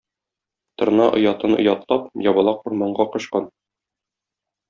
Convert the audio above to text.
Торна оятын оятлап, ябалак урманга качкан.